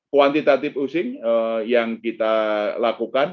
kuantitatif using yang kita lakukan